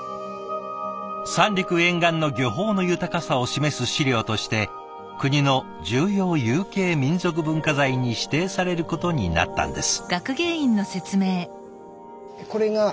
三陸沿岸の漁法の豊かさを示す資料として国の重要有形民俗文化財に指定されることになったんです。